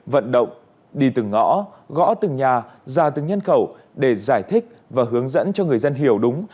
vận động đi từng ngõ gõ từng nhà ra từng nhân khẩu để giải thích và hướng dẫn cho người dân hiểu đúng